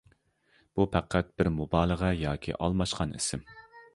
بۇ پەقەت بىر مۇبالىغە ياكى ئالماشقان ئىسىم.